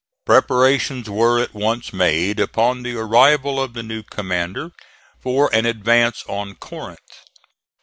Preparations were at once made upon the arrival of the new commander for an advance on Corinth.